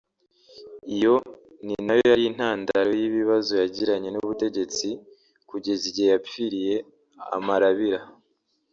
Iyo ni na yo yari intandaro y’ibibazo yagiranye n’ubutegetsi kugeza igihe yapfiriye amarabira